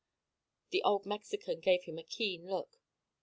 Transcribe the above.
The old Mexican gave him a keen look.